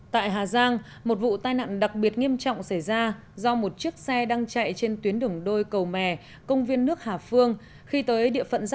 tại hà giang một vụ tai nạn đặc biệt nghiêm trọng xảy ra do một chiếc xe đang chạy trên tuyến đường đôi cầu mè công viên nước hà phương